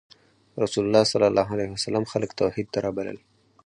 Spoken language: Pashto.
رسول الله ﷺ خلک توحید ته رابلل.